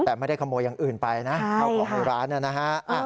แต่ไม่ได้ขโมยอย่างอื่นไปนะเอาของร้านเนี่ยนะฮะ